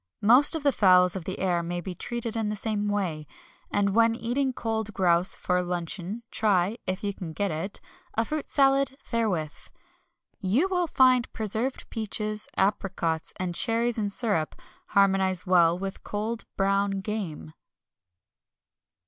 Most of the fowls of the air may be treated in the same way. And when eating cold grouse for luncheon try (if you can get it) a fruit salad therewith. You will find preserved peaches, apricots, and cherries in syrup, harmonise well with cold brown game.